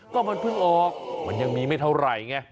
ก็มันเพิ่งออกมันยังมีไม่เท่าไหร่ไง